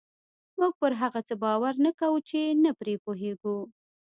موږ پر هغه څه باور نه کوو چې نه پرې پوهېږو.